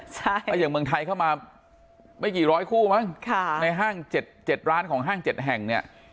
ถ้าอย่างเมืองไทยเข้ามาไม่กี่ร้อยคู่มั้งในห้าง๗ร้านของห้าง๗แห่งเนี่ย